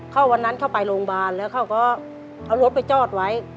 วันนั้นเข้าไปโรงพยาบาลแล้วเขาก็เอารถไปจอดไว้